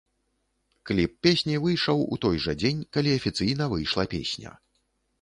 Кліп песні выйшаў у той жа дзень, калі афіцыйна выйшла песня.